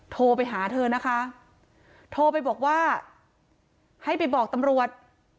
โทรไปหาเธอนะคะโทรไปบอกว่าให้ไปบอกตำรวจ